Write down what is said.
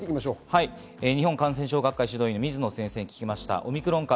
日本感染症学会・指導医の水野先生に聞きました。